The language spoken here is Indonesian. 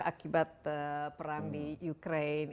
akibat perang di ukraine